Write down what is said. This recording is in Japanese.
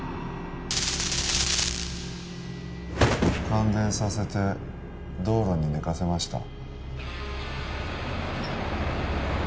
感電させて道路に寝かせました